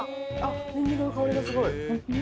ニンニクの香りがすごい。